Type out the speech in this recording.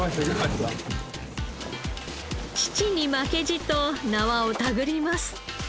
父に負けじと縄を手繰ります。